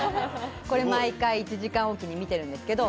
これ毎回、１時間置きに見ているんですけど。